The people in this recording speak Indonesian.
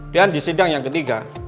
dan di sidang yang ketiga